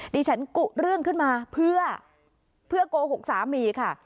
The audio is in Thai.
ดิฉันกุเรื่องขึ้นมาเพื่อโกหกสามีค่ะ